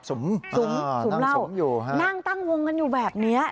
สุมนั่งสุมอยู่ครับสุมเหล้านั่งตั้งวงกันอยู่แบบนี้